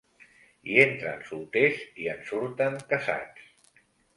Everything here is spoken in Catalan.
Hi entren solters i en surten casats.